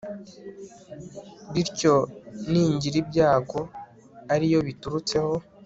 bityo ningira ibyago ari yo biturutseho